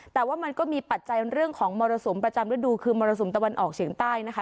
แต่ว่ามันก็มีปัจจัยเรื่องของมรสุมประจำฤดูคือมรสุมตะวันออกเฉียงใต้นะคะ